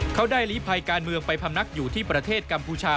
เขาได้ลีภัยการเมืองไปพำนักอยู่ที่ประเทศกัมพูชา